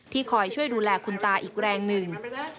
คอยช่วยดูแลคุณตาอีกแรงหนึ่ง